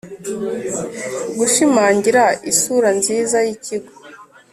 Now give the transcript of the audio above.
gushimangira isura nziza y ikigo